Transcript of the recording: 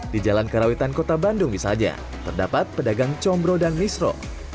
di jalan karawitan kota bandung misalnya terdapat pedagang combro dan misro